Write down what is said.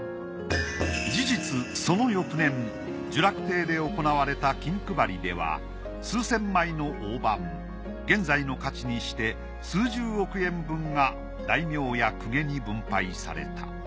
事実その翌年聚楽第で行われた金配りでは数千枚の大判現在の価値にして数十億円分が大名や公家に分配された。